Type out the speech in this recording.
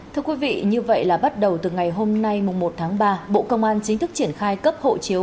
thưa quý vị như vậy là bắt đầu từ ngày hôm nay một tháng ba bộ công an chính thức triển khai cấp hộ chiếu